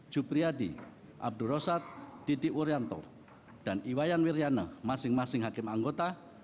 juppriyadi abdur roshad didi wuryanto dan iwayan wirjana masing masing hakim anggota